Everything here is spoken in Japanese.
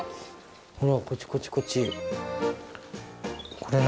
ほらこっちこっちこっち。